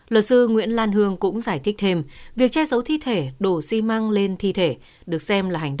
lợi sư nguyễn lan hương cũng giải thích thêm việc che giấu thi thể đổ xi măng lên thi thể